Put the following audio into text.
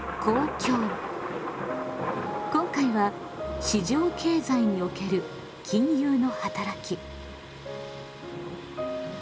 今回は「市場経済における金融の働き」。